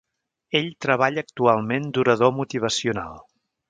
Ell treballa actualment d'orador motivacional.